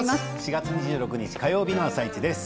４月２６日火曜日の「あさイチ」です。